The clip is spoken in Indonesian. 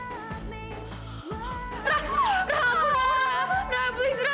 rah rah rah please rah